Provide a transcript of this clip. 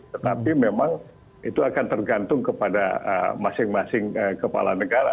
tetapi memang itu akan tergantung kepada masing masing kepala negara